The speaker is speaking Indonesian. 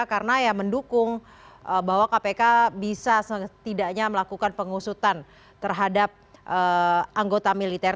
karena ya mendukung bahwa kpk bisa setidaknya melakukan pengusutan terhadap ee anggota militer